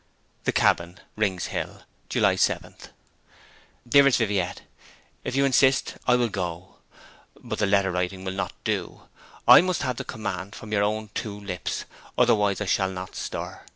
'THE CABIN, RINGS HILL, July 7_th_. 'DEAREST VIVIETTE, If you insist, I will go. But letter writing will not do. I must have the command from your own two lips, otherwise I shall not stir.